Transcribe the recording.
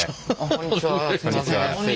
こんにちは。